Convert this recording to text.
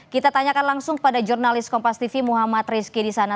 kita tanyakan langsung pada jurnalis kompas tv muhammad rizky di sana